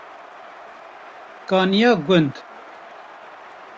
Kaniya Gund